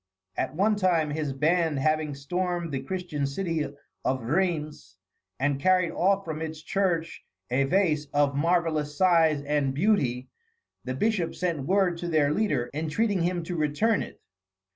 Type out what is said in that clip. At one time, his band having stormed the Christian city of Rheims and carried off from its church a vase "of marvellous size and beauty," the bishop sent word to their leader entreating him to return it.